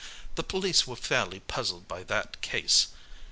The police were fairly puzzled by that case.